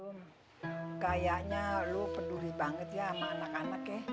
lu kayaknya lu peduli banget ya sama anak anak ya